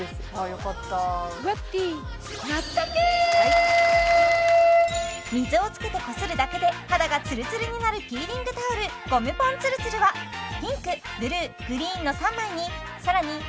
よかった水をつけてこするだけで肌がツルツルになるピーリングタオルゴムポンつるつるはピンクブルーグリーンの３枚にさらに